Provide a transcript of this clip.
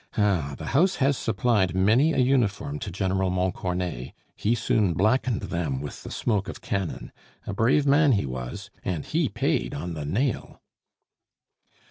Ah! the house has supplied many an uniform to General Montcornet; he soon blackened them with the smoke of cannon. A brave man, he was! and he paid on the nail."